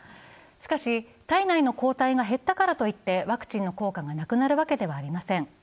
しかし、体内の抗体が減ったからといってワクチンの効果がなくなるわけではありません。